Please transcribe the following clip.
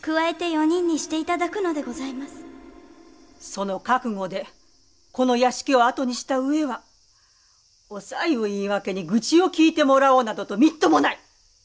その覚悟でこの屋敷を後にしたうえはお菜を言い訳に愚痴を聞いてもらおうなどとみっともない。